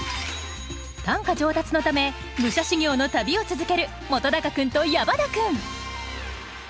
短歌上達のため武者修行の旅を続ける本君と矢花君